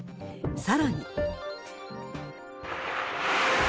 さらに。